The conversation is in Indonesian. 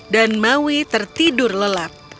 dan maui tertidur lelap